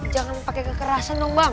jangan pakai kekerasan dong mbak